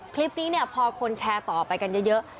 คลิปนี้เนี่ยพอคนแชร์ต่อไปกันเยอะ